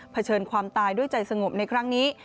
เชิญความตายด้วยใจสงบในครั้งนี้